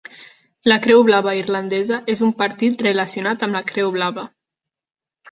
La Creu blava irlandesa és un partit relacionat amb la Creu blava.